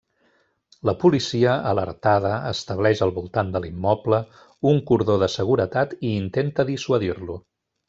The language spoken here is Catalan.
La policia, alertada, estableix al voltant de l'immoble un cordó de seguretat i intenta dissuadir-lo.